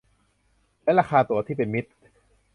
และราคาตั๋วที่เป็นมิตร